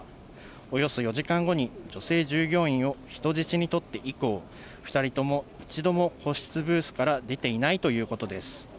およそ４時間後に女性従業員を人質に取って以降、２人とも一度も個室ブースから出ていないということです。